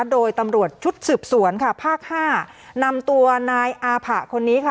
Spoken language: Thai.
โดยตำรวจชุดสืบสวนค่ะภาคห้านำตัวนายอาผะคนนี้ค่ะ